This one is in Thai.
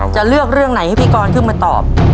จะเลือกเรื่องไหนให้พี่กรขึ้นมาตอบ